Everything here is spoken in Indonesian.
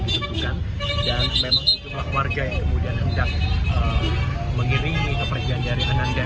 dibutuhkan dan memang warga yang kemudian hendak mengirim ke perjalanan dari ananda